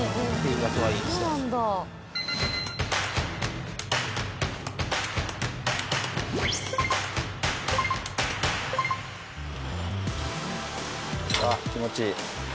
うわっ気持ちいい。